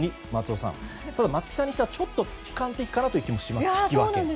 ただ、松木さんにしてはちょっと悲観的かなという気もします、引き分け。